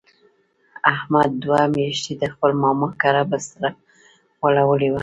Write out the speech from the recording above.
احمد دوه میاشتې د خپل ماما کره بستره غوړولې وه.